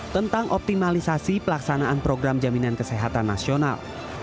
tentang optimalisasi pelaksanaan program jaminan kesehatan nasional